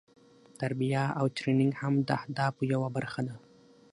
تربیه او ټریننګ هم د اهدافو یوه برخه ده.